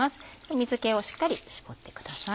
水気をしっかり絞ってください。